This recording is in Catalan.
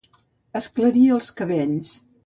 Esclarir els cabells.